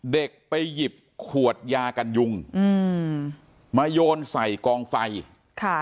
เด็กไปหยิบขวดยากันยุงอืมมาโยนใส่กองไฟค่ะ